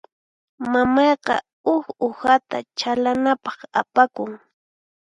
Mamayqa huk uhata chhalananpaq apakun.